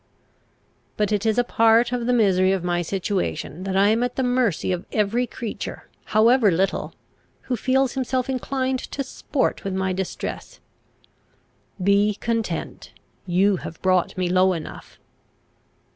But it is a part of the misery of my situation, that I am at the mercy of every creature, however little, who feels himself inclined to sport with my distress. Be content. You have brought me low enough."